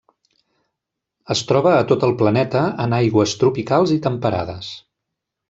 Es troba a tot el planeta en aigües tropicals i temperades.